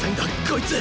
こいつ！